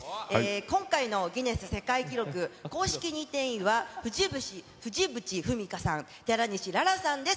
今回のギネス世界記録、公式認定員は藤渕文香さん、寺西ららさんです。